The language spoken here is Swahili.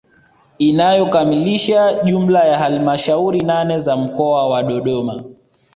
Inayokamilisha jumla ya halamashauri nane za mkoa wa Dodoma